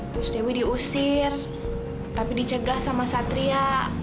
terus dewi diusir tapi dicegah sama satria